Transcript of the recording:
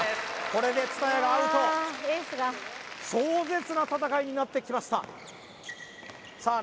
これで蔦谷がアウト壮絶な戦いになってきましたさあ